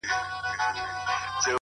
• برج دي تر آسمانه، سپي دي له لوږي مري ,